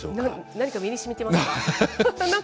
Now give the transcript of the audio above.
何か身にしみてますか。